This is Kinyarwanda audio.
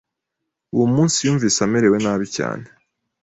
Uwo munsi yumvise amerewe nabi cyane.